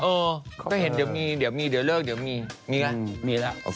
เออก็เห็นเดี๋ยวมีเดี๋ยวมีเดี๋ยวเลิกเดี๋ยวมีมีไงมีแล้ว